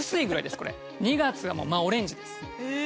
２月は真オレンジです。